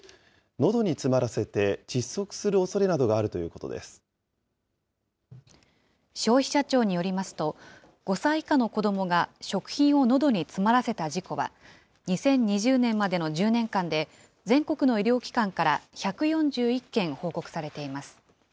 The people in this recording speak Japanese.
のどに詰まらせて窒息するおそれ消費者庁によりますと、５歳以下の子どもが食品をのどに詰まらせた事故は、２０２０年までの１０年間で、全国の医療機関から１４１件報告されています。